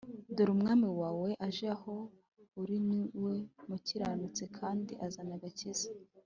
‘dore umwami wawe aje aho uri ni we mukiranutsi kandi azanye agakiza!’